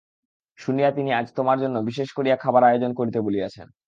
শুনিয়া তিনি আজ তোমার জন্য বিশেষ করিয়া খাবার আয়োজন করিতে বলিয়াছেন।